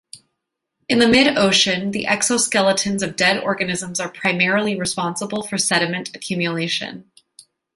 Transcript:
In the mid-ocean, the exoskeletons of dead organisms are primarily responsible for sediment accumulation.